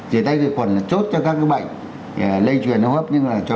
rửa tay cửa quần là chốt cho các bệnh lây truyền hô hấp